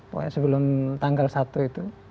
pokoknya sebelum tanggal satu itu